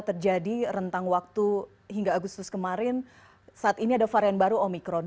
terjadi rentang waktu hingga agustus kemarin saat ini ada varian baru omikron